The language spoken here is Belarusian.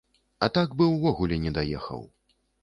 А так бы ўвогуле не даехаў!